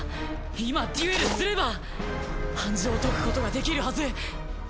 今デュエルすれば暗示を解くことができるはず！